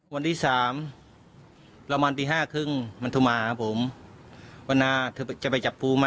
วันที่สามประมาณห้าครึ่งมันต้มอาหวันน่าเธอจะไปจับปูมั้ย